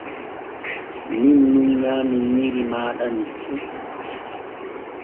Min nun nyaami nyiiri maaɗa ni fu.